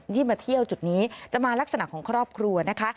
ที่มาเที่ยวจุดนี้จะมาลักษณะของครอบครัวนะคะ